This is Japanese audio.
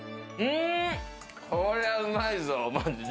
こりゃうまいぞ、マジで。